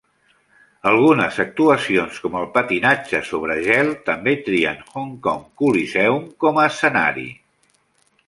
Algunes actuacions com el patinatge sobre gel també trien Hong Kong Coliseum com a escenaris.